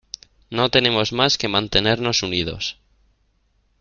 No tenemos más que mantenernos unidos.